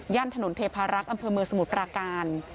ถนนเทพารักษ์อำเภอเมืองสมุทรปราการ